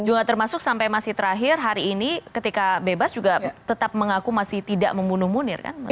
juga termasuk sampai masih terakhir hari ini ketika bebas juga tetap mengaku masih tidak membunuh munir kan